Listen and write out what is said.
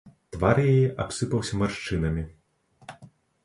Твар яе абсыпаўся маршчынамі.